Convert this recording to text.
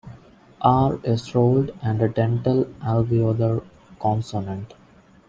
R is rolled and a dental-alveolar consonant.